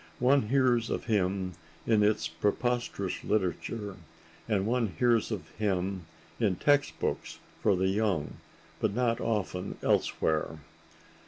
One hears of him in its preposterous literature and one hears of him in text books for the young, but not often elsewhere.